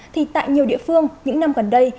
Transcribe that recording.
thì tại nhiều địa phương những năm gần đây